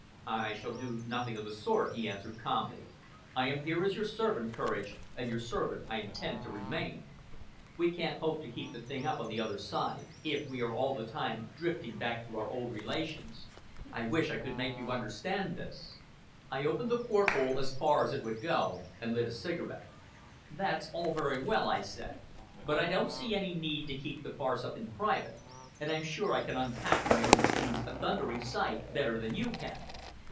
"I shall do nothing of the sort," he answered calmly. "I am here as your servant, Courage, and your servant I intend to remain. We can't hope to keep the thing up on the other side, if we are all the time drifting back to our old relations. I wish I could make you understand this." I opened the port hole as far as it would go, and lit a cigarette. "That's all very well," I said; "but I don't see any need to keep the farce up in private, and I'm sure I can unpack my own things a thundering sight better than you can."